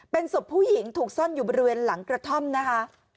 เป็นศพผู้หญิงถูกซ่อนอยู่บริเวณหลังกระท่อมนะคะ